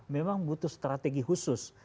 memang butuh strategi khusus